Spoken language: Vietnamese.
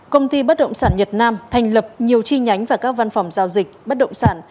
công ty bất động sản nhật nam thành lập nhiều chi nhánh và các văn phòng giao dịch bất động sản